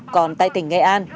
còn tại tỉnh nghệ an